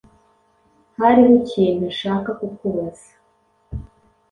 Hariho ikintu nshaka kukubaza.